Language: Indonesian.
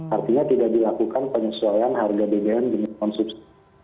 artinya tidak dilakukan penyesuaian harga bbm dengan konsumsi